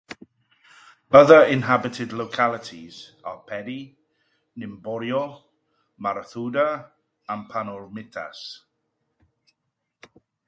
Other inhabited localities are Pedi, Nimborio, Marathounda and Panormitis.